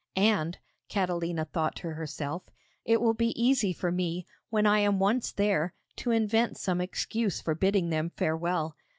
'And,' Catalina thought to herself, 'it will be easy for me, when I am once there, to invent some excuse for bidding them farewell.